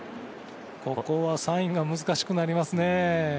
ここはサインが難しくなりますね。